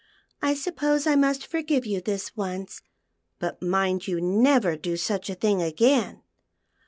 I suppose I must forgive you this once, but mind you never do such a thing again."